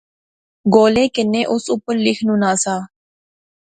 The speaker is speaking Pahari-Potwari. گولے کنے اُس اُپر لیخنونا سا